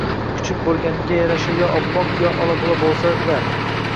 Kuchuk bo‘lganga yarasha yo oppoq, yo ola-bula bo‘lsang-da!